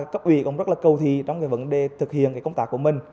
chúng rất là cầu thi trong vấn đề thực hiện công tác của mình